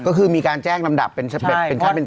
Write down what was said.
ก็คือมีการแจ้งลำดับที่ใช้เป็นตอน